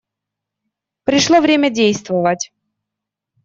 Пришло время действовать.